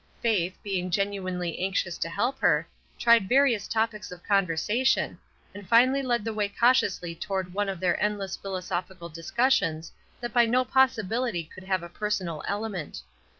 Faith, being genuinely anxious to help her, tried various topics of conversation, and finally led the way cautiously toward one of their endless philosophical discussions that by no possibility could have a personal element.